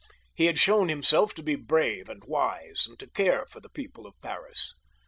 He had shown himself to be brave and wise, and to care for the people of Paris.